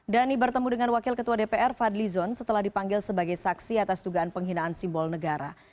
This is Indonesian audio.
dhani bertemu dengan wakil ketua dpr fadli zon setelah dipanggil sebagai saksi atas dugaan penghinaan simbol negara